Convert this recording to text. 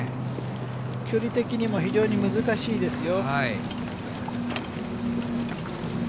距離的にも非常に難しいですよ。